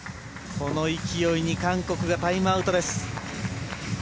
この勢いに韓国がタイムアウトです。